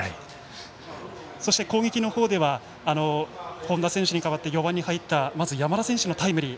そして、攻撃の方では本田選手に代わって４番に入ったまず山田選手のタイムリー。